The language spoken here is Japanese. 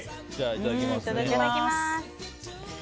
いただきます。